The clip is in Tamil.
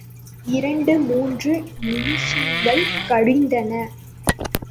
இரண்டு மூன்று நிமிஷங்கள் கழிந்தன.